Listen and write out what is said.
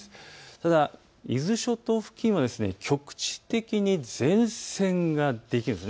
ただ、伊豆諸島付近は局地的に前線ができるんです。